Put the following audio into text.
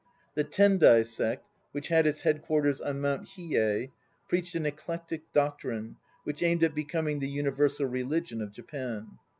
The Tendai Sect which had its headquarters on Mount Hiyei preached an eclectic doctrine which aimed at becoming the universal religion of Japan.